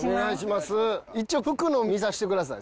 一応吹くのを見させてください。